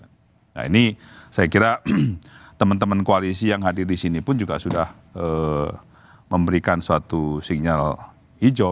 nah ini saya kira teman teman koalisi yang hadir di sini pun juga sudah memberikan suatu sinyal hijau